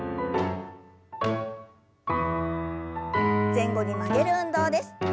前後に曲げる運動です。